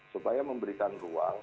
supaya memberikan ruang